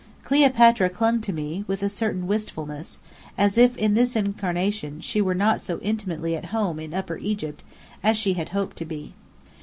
Cleopatra clung to me, with a certain wistfulness, as if in this incarnation she were not so intimately at home in Upper Egypt as she had hoped to be.